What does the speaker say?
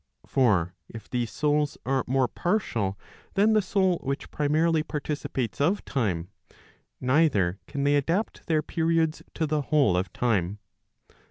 For if these souls are more partial than the soul which primarily participates of time, neither can they adapt their periods to the whole of time.